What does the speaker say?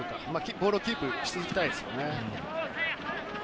ボールをキープしていきたいですよね。